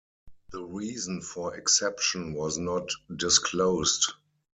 The reason for exception was not disclosed.